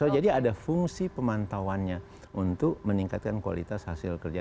jadi ada fungsi pemantauannya untuk meningkatkan kualitas hasil kerja